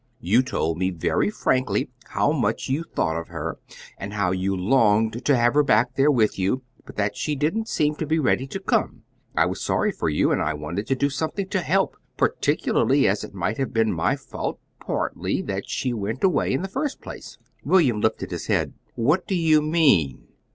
You told me very frankly how much you thought of her, and how you longed to have her back there with you, but that she didn't seem to be ready to come. I was sorry for you, and I wanted to do something to help, particularly as it might have been my fault, partly, that she went away, in the first place." William lifted his head. "What do you mean?"